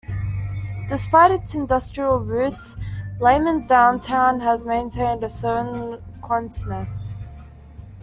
Despite its industrial roots, Leimen's downtown has maintained a certain quaintness.